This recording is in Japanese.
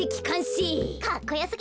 かっこよすぎる。